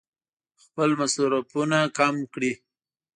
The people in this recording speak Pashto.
خپل مصرفونه کم کړي.